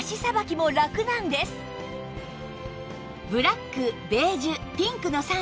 ブラックベージュピンクの３色をご用意